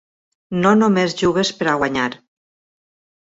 No només jugues per a guanyar.